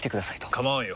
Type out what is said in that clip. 構わんよ。